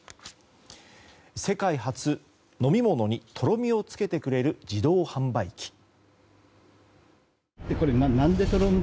世界初、飲み物にとろみを付けてくれる自動販売機。